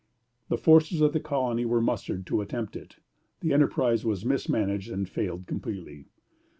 The forces of the colony were mustered to attempt it; the enterprise was mismanaged, and failed completely.